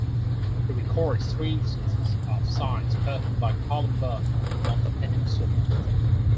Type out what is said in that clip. He records three instances of signs performed by Columba on the peninsula.